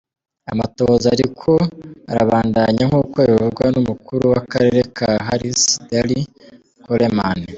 Amatohoza ariko arabandanya nk'uko bivugwa n'umukuru w'akarere ka Harris, Darryl Coleman.